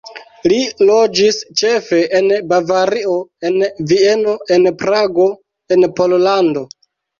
Li loĝis ĉefe en Bavario, en Vieno, en Prago, en Pollando.